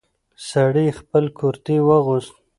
سړی خپل کورتۍ واغوست.